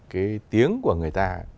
cái tiếng của người ta